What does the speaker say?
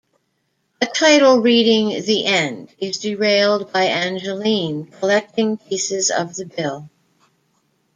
A title reading "The End" is derailed by Angeline collecting pieces of the bill.